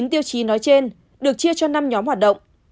ba mươi chín tiêu chí nói trên được chia cho năm nhóm hoạt động